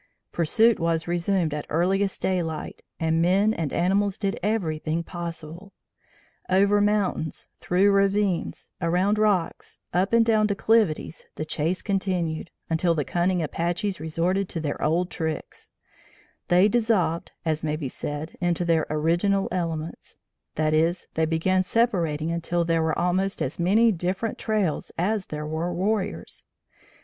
Pursuit was resumed at earliest daylight and men and animals did everything possible. Over mountains, through ravines, around rocks, up and down declivities, the chase continued, until the cunning Apaches resorted to their old tricks: they dissolved, as may be said, into their "original elements" that is, they began separating until there were almost as many different trails as there were warriors.